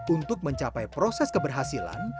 untuk mencapai proses keberhasilan